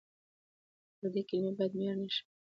پردۍ کلمې باید معیار نه شي.